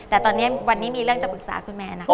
แต่ตอนนี้วันนี้มีเรื่องจะปรึกษาคุณแม่นะคะ